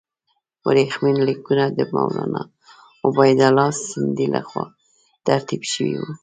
ورېښمین لیکونه د مولنا عبیدالله سندي له خوا ترتیب شوي وو.